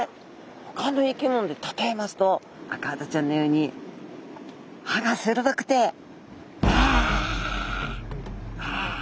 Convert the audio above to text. ほかの生き物で例えますとアカハタちゃんのように歯が鋭くてわわ！